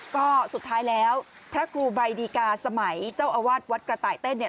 ก็สุดท้ายแล้วพระครูใบดีกาสมัยเจ้าอาวาสวัดกระต่ายเต้นเนี่ย